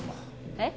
えっ？